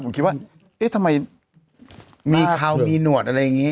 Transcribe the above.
ผมคิดว่าเอ๊ะทำไมมีข้าวมีหนวดอะไรแบบนี้